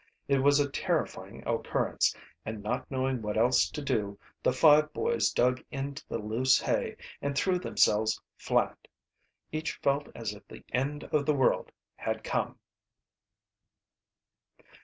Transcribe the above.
It was a terrifying occurrence and not knowing what else to do the five boys dug into the loose hay and threw themselves flat. Each felt as if the end of the world had come.